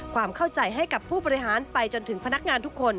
ความเข้าใจให้กับผู้บริหารไปจนถึงพนักงานทุกคน